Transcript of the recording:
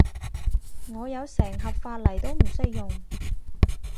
我有成盒髮泥都唔識用